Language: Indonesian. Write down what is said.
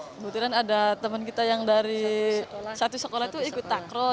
kebetulan ada teman kita yang dari satu sekolah itu ikut takro